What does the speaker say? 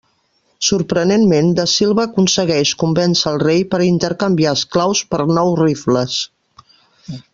Sorprenentment, da Silva aconsegueix convèncer el rei per intercanviar esclaus per nous rifles.